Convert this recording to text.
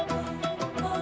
nih aku tidur